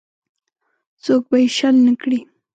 څوک به یې شل نه کړي.